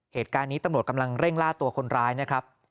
เหตุการณ์นี้ตำรวจกำลังเร่งล่าตัวคนร้ายนะครับ